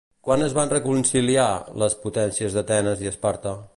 Quan es van reconciliar, les potències d'Atenes i Esparta?